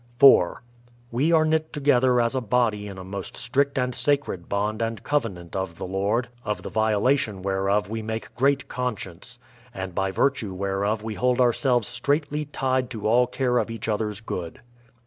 4. We are knit together as a body in a most strict and sacred bond and covenant of the Lord, of the violation whereof we make great conscience, and by virtue whereof we hold ourselves straitly tied to all care of each other's good.